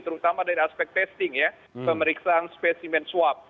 terutama dari aspek testing ya pemeriksaan spesimen swab